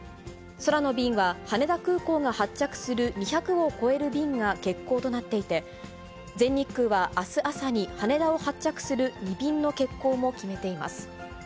空の便は、羽田空港が発着する２００を超える便が欠航となっていて、全日空は、あす朝に羽田を発着する２便の欠航も決めています。